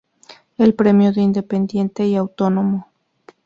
El premio es independiente y autónomo.